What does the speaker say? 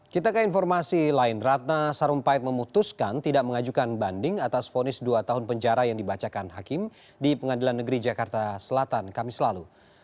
kita ke informasi lain ratna sarumpait memutuskan tidak mengajukan banding atas fonis dua tahun penjara yang dibacakan hakim di pengadilan negeri jakarta selatan kamis lalu